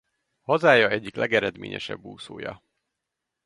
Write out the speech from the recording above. Hazája egyik legeredményesebb úszója.